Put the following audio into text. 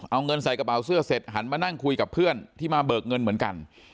เอาเงินใส่กระเป๋าเสื้อเสร็จหันมานั่งคุยกับเพื่อนที่มาเบิกเงินเหมือนกัน